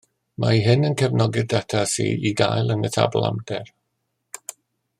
Mae hyn yn cefnogi'r data sydd i gael yn y tabl amlder